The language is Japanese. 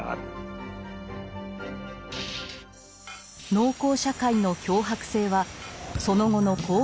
農耕社会の強迫性はその後の工業社会